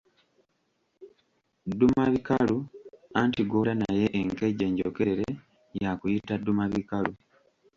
Ddumabikalu, anti gw'olya naye enkejje enjokerere yakuyita ddumabikalu.